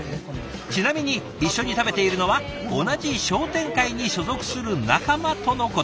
ちなみに一緒に食べているのは同じ商店会に所属する仲間とのこと。